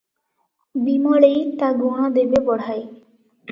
ବିମଳେଇ ତା ଗୁଣ ଦେବେ ବଢ଼ାଇ ।